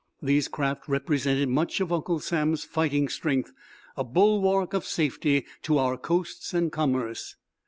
These craft represented much of Uncle Sam's fighting strength, a bulwark of safety, to our coasts and commerce.